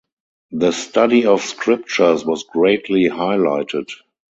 The study of scriptures was greatly highlighted.